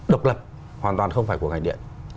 độc lập hoàn toàn không phải của ngành điện